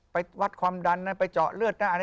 ไปวัดความดันนะไปเจาะเลือดนะ